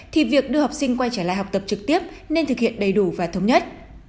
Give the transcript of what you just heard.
thì việc đưa học sinh quay trở lại học tập trực tiếp nên thực hiện đầy đủ và thống nhất